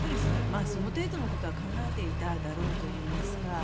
その程度のことは考えていただろうといいますか。